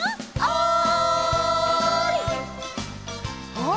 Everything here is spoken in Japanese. あっ！